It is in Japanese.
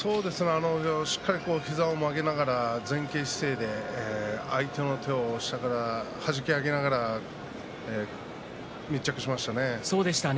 しっかり膝を曲げながら前傾姿勢で相手の手を下からはじき上げながら密着しましたね。